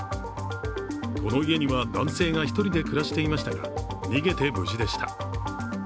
この家には男性が１人で暮らしていましたが逃げて無事でした。